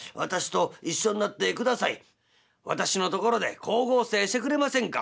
「私のところで光合成してくれませんか」。